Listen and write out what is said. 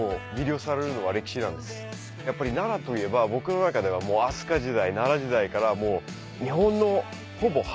やっぱり奈良といえば僕の中では飛鳥時代奈良時代からもう。